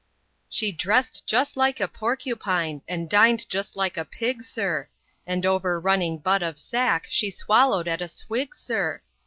She dress'd just like a porcupine, and din'd just like a pig, sir, And an over running butt of sack she swallow'd at a swig, sir!